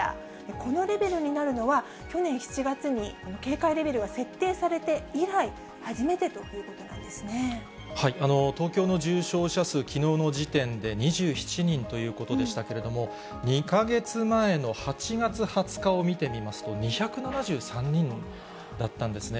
このレベルになるのは、去年７月に警戒レベルが設定されて以来、東京の重症者数、きのうの時点で２７人ということでしたけれども、２か月前の８月２０日を見てみますと、２７３人だったんですね。